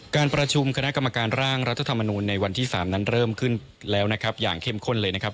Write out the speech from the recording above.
การประชุมคณะกรรมการร่างรัฐธรรมนูลในวันที่๓นั้นเริ่มขึ้นแล้วนะครับอย่างเข้มข้นเลยนะครับ